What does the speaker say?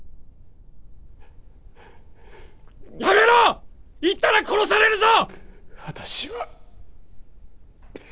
やめろ言ったら殺されるぞ！